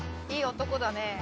いい男だね。